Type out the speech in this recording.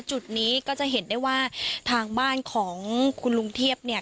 จุดนี้ก็จะเห็นได้ว่าทางบ้านของคุณลุงเทียบเนี่ย